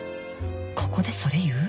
ここでそれ言う？